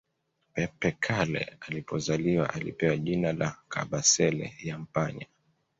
Pepe Kalle alipozaliwa alipewa jina la Kabasele Yampanya